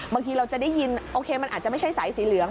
บางทีเราจะได้ยินโอเคมันอาจจะไม่ใช่สายสีเหลือง